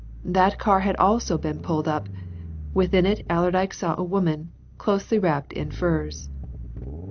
That car had also been pulled up; within it Allerdyke saw a woman, closely wrapped in furs.